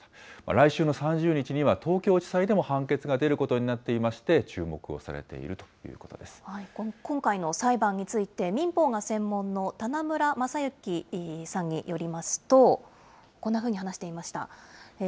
来週の３０日には、東京地裁でも判決が出ることになっていまして、今回の裁判について、民法が専門の棚村政行さんによりますと、こんなふうに話していました。